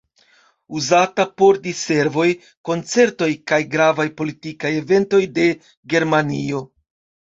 Uzata por diservoj, koncertoj kaj gravaj politikaj eventoj de Germanio.